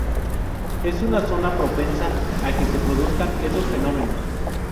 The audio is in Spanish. Es una zona propensa a que se produzcan esos fenómenos.